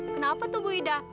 kenapa tuh bu ida